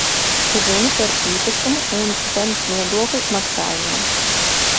Ir runa par īpašuma un zemes nodokļa maksājumiem.